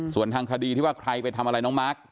ส่วนทางคดีที่ว่าใครไปทำอะไรน้องมาร์ค